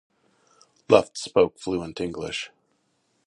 Luft spoke fluent English.